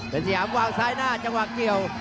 เป็นสยามวางซ้ายหน้าจังหวะเกี่ยว